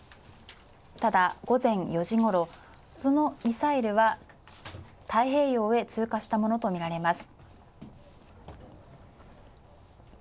ただ、午前４時ごろ、そのミサイルは太平洋へ通過したものとみられます。